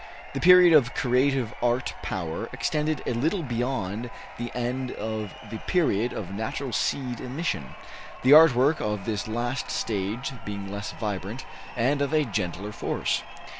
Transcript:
The period of creative art power extended a little beyond the end of the period of natural seed emission the art work of this last stage being less vibrant, and of a gentler force.